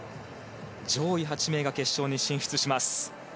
上位８名が決勝に進出します。